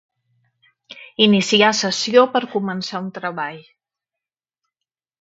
Iniciar sessió, per començar un treball.